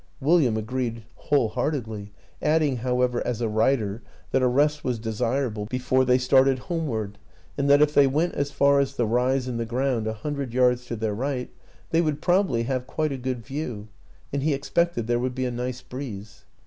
William agreed whole heartedly adding, however, as a rider, that a rest was desirable be 58 WILLIAM AN ENGLISHMAN fore they started homeward, and that if they went as far as the rise in the ground a hundred yards to their right they would probably have quite a good view, and he expected there would be a nice breeze.